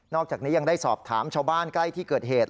อกจากนี้ยังได้สอบถามชาวบ้านใกล้ที่เกิดเหตุ